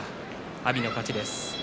阿炎の勝ちです。